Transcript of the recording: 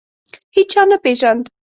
هیچا نه پېژاند.